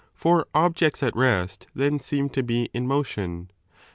For objects at rest then seem to be in motion.